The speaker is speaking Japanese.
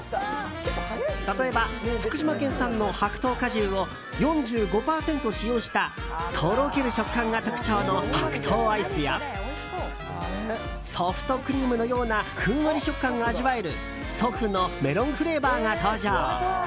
例えば、福島県産の白桃果汁を４５％使用したとろける食感が特徴の白桃アイスやソフトクリームのようなふんわり食感が味わえるＳｏｆ’のメロンフレーバーが登場！